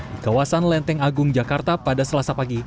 di kawasan lenteng agung jakarta pada selasa pagi